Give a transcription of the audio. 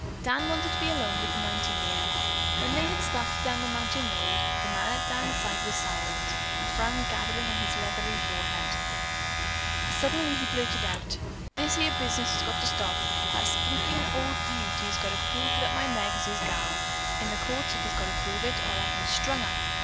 Dan wanted to be alone with the mountaineer. When they had started down the mountain road, the man at Dan's side was silent, a frown gathering on his leathery forehead. Suddenly he blurted out: "This here business has got to stop. That slinkin' ol' Ute's got to prove that my Meg is his gal. In the courts, he's got to prove it, or I'll have him strung up.